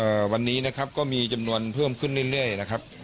เอ่อวันนี้นะครับก็มีจำนวนเพิ่มขึ้นเรื่อยนะครับ